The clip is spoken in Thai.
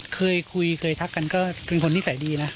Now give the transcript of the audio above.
เคยคุยเคยทักกันก็คือคนนิสัยดี